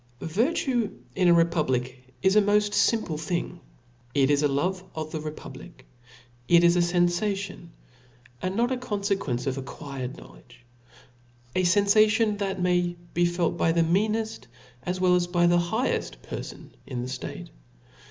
TTlRrUE in a republic, is a moft fimple ^ thing ; it is a love of the republic ; it is a fenfation, and not a confequence of acquired know ledge : a fenfation, that may be felt by the meaneft as well as by the highcft perlon in the ftate.